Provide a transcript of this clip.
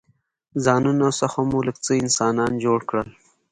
ځانونو څخه مو لږ څه انسانان جوړ کړل.